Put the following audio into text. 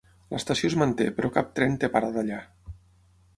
L'estació es manté però cap tren té parada allà.